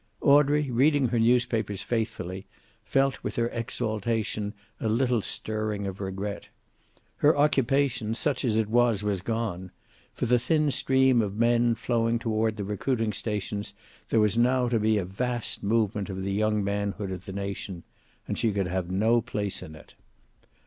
Audrey, reading her newspapers faithfully, felt with her exaltation a little stirring of regret. Her occupation, such as it was, was gone. For the thin stream of men flowing toward the recruiting stations there was now to be a vast movement of the young manhood of the nation. And she could have no place in it.